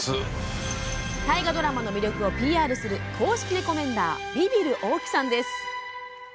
大河ドラマの魅力をＰＲする公式レコメンダービビる大木さんです。